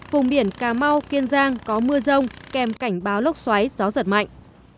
vùng biển cà mau kiên giang có mưa rông kèm cảnh báo lốc xoáy gió giật mạnh